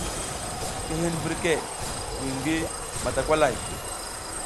Ki hin mbirke buy ngi matakwalay.